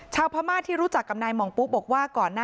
ชาวพม่าที่รู้จักกับนายห่องปุ๊บอกว่าก่อนหน้า